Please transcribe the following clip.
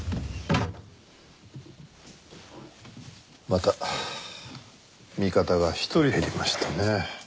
また味方が１人減りましたね。